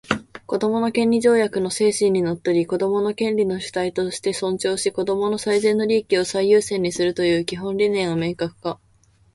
「子どもの権利条約」の精神にのっとり、子供を権利の主体として尊重し、子供の最善の利益を最優先にするという基本理念を明確化